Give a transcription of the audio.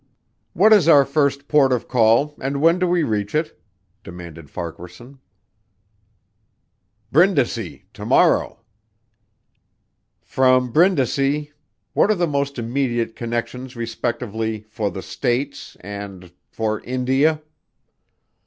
"What is our first port of call, and when do we reach it?" demanded Farquaharson. "Brindisi. To morrow." "From Brindisi what are the most immediate connections respectively for the States and for India."